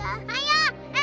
eh ujang jangan lah